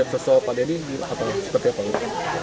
bapak dedy apa seperti apa